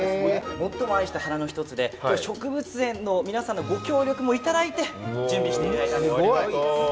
最も愛した花の一つで植物園の皆さんのご協力もいただいて準備していただいたんですけど。